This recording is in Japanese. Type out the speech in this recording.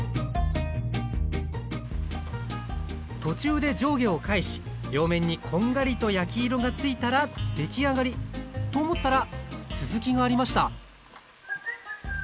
途中で上下を返し両面にこんがりと焼き色がついたら出来上がりと思ったら続きがありました！